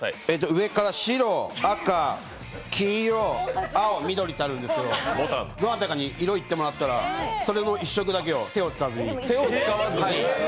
上から白、赤、黄色、青、緑とあるですけどどなたかに色を言ってもらったらその１色だけを手を使わずに。